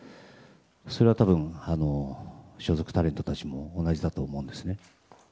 それは多分、所属タレントたちも同じだと思うんですね。